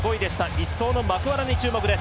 １走のマクワラに注目。